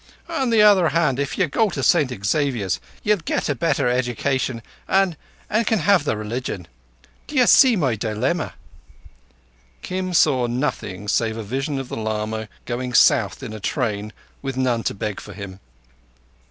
On the other hand, if ye go to St Xavier's ye'll get a better education an—an can have the religion. D'ye see my dilemma? Kim saw nothing save a vision of the lama going south in a train with none to beg for him.